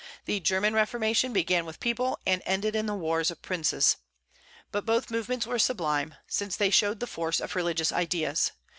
The German reformation began with the people, and ended in the wars of princes. But both movements were sublime, since they showed the force of religious ideas.